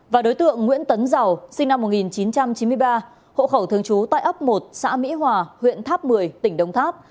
và đối tượng nguyễn tấn giàu sinh năm một nghìn chín trăm chín mươi ba hộ khẩu thường trú tại ấp một xã mỹ hòa huyện tháp một mươi tỉnh đông tháp